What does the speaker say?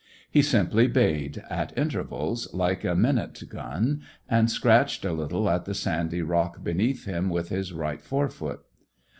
He simply bayed, at intervals, like a minute gun, and scratched a little at the sandy rock beneath him with his right fore foot.